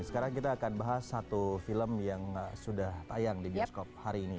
sekarang kita akan bahas satu film yang sudah tayang di bioskop hari ini